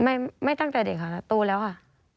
ไม่ไม่ตั้งแต่เด็กค่ะนะโตแล้วค่ะ